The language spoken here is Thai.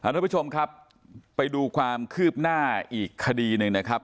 ทุกผู้ชมครับไปดูความคืบหน้าอีกคดีหนึ่งนะครับ